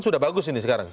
sudah bagus ini sekarang